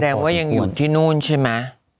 ยังว่ายังอยู่ที่นู่นใช่ไหม